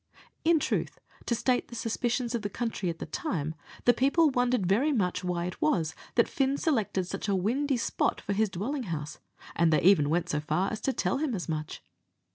In truth, to state the suspicions of the country at the time, the people wondered very much why it was that Fin selected such a windy spot for his dwelling house, and they even went so far as to tell him as much.